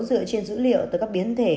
dựa trên dữ liệu từ các biến thể